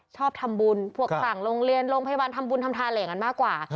ชอบทำบุญพวกสั่งโรงเรียนโรงพยาบาลทำบุญทำทานอะไรอย่างนั้นมากกว่า